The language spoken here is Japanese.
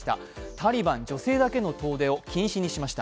タリバン、女性だけの遠出を禁止にしました。